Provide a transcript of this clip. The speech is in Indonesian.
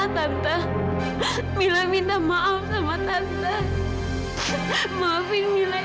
tante tidak bisa marah sama mila